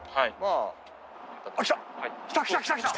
ああ来た来た！来た！来た！